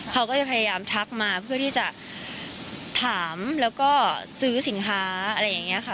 เขาก็จะพยายามทักมาเพื่อที่จะถามแล้วก็ซื้อสินค้าอะไรอย่างนี้ค่ะ